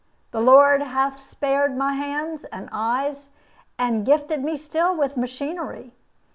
The Lord hath spared my hands and eyes, and gifted me still with machinery.